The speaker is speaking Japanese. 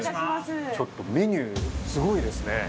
ちょっとメニューすごいですね。